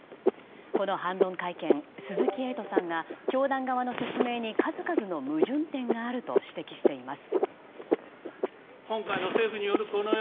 この反論会見、鈴木エイトさんが教団側の説明に数々の矛盾点があると指摘しています。